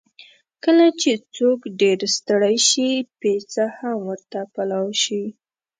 کله چې څوک ډېر ستړی شي، پېڅه هم ورته پلاو شي.